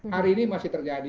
hari ini masih terjadi